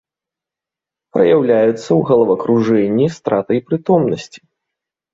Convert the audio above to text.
Праяўляецца ў галавакружэнні, стратай прытомнасці.